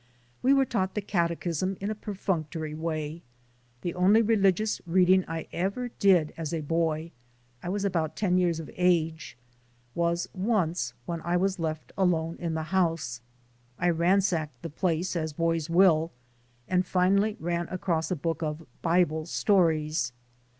We were taught the catechism in a perfunctory way. The only religious reading I ever did as a boy, I was about ten years of age, was once when I was left alone in the house. I ransacked the place, as boys will, and finally ran across a book of "Bible stories."